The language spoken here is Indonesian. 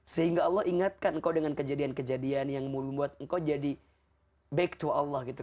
sehingga allah ingatkan kau dengan kejadian kejadian yang membuat engkau jadi back to allah gitu